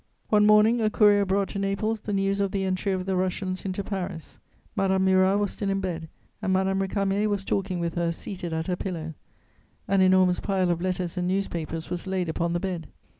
One morning, a courier brought to Naples the news of the entry of the Russians into Paris. Madame Murat was still in bed and Madame Récamier was talking with her, seated at her pillow; an enormous pile of letters and newspapers was laid upon the bed.